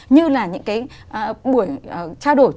như là những cái buổi trao đổi